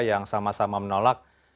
yang sama sama menolak